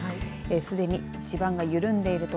すでに地盤が緩んでいる所